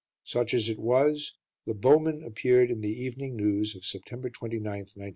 Such as it was, "The Bowmen" appeared in The Evening News of September 29th, 1914.